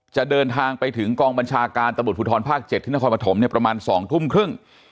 จะเดินทางไปถึงกองบัญชาการตระบุดผุดธรรมภาคเจ็ดที่นครปฐมเนี่ยประมาณสองทุ่มครึ่ง